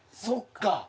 そっか。